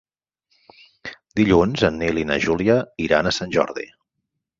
Dilluns en Nil i na Júlia iran a Sant Jordi.